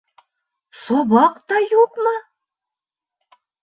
Сабаҡ та юҡмы?